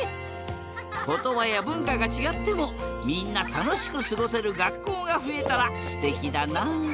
ことばやぶんかがちがってもみんなたのしくすごせるがっこうがふえたらすてきだな！